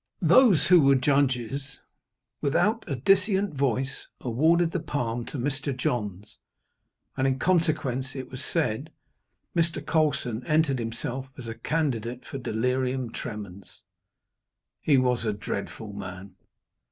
Those who were judges, without a dissentient voice, awarded the palm to Mr. Johns and, in consequence it was said, Mr. Colson entered himself as a candidate for delirium tremens. He was a dreadful man.